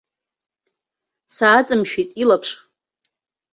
Сааҵымшәеит илаԥш.